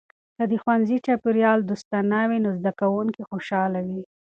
که د ښوونځي چاپیریال دوستانه وي، نو زده کونکي خوشحاله وي.